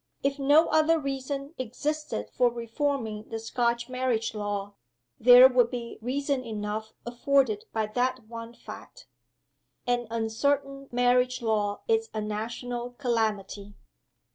If no other reason existed for reforming the Scotch marriage law, there would be reason enough afforded by that one fact. An uncertain marriage law is a national calamity."